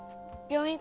病院？